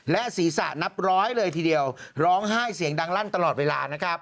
และศีรษะนับร้อยเลยทีเดียวร้องไห้เสียงดังลั่นตลอดเวลานะครับ